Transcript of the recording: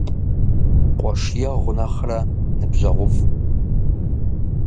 Къуэш егъу нэхърэ ныбжьэгъуфӀ.